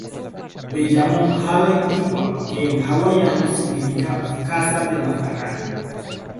Lo llamó "Hale Iwa" que en hawaiano significa casa de la fragata.